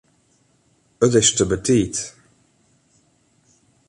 It is te betiid.